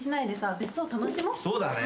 そうだね。